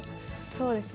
そうですね。